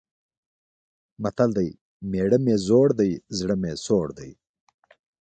متل دی: مېړه مې زوړ دی، زړه مې سوړ دی.